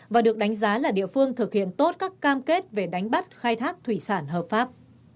và được đánh giá là địa phương thực hiện tốt các cam kết về đánh bắt khai thác thủy sản hợp pháp